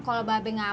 kalau babe ngerti